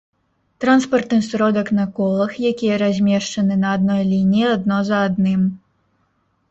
транспартны сродак на колах, якія размешчаны на адной лініі адно за адным